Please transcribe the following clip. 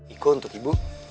iko untuk ibu